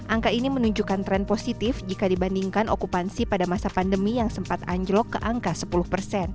angka ini menunjukkan tren positif jika dibandingkan okupansi pada masa pandemi yang sempat anjlok ke angka sepuluh persen